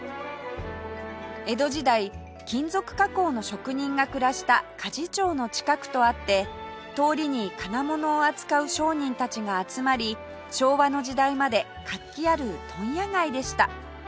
江戸時代金属加工の職人が暮らした鍛冶町の近くとあって通りに金物を扱う商人たちが集まり昭和の時代まで活気ある問屋街でした